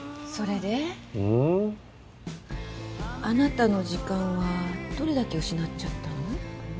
あなたの時間はどれだけ失っちゃったの？